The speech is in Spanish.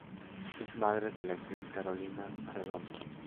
Es madre de la actriz Carolina Arredondo.